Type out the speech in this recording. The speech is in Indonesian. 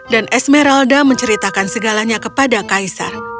dan esmeralda menceritakan segalanya kepada kaisar